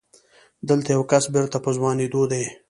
دلته يو کس بېرته په ځوانېدو دی.